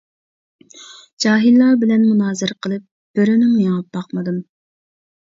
جاھىللار بىلەن مۇنازىرە قىلىپ بىرىنىمۇ يېڭىپ باقمىدىم.